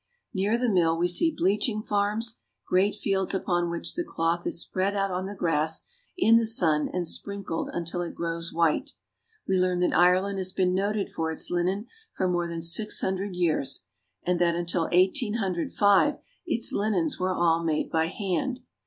Near the mill we see bleaching farms, great fields upon which the cloth is spread out on the grass in the sun and sprinkled until it grows white. We learn that Ireland has been noted for its linen for more than six hundred years, and that until 1805 its linens were all made by hand.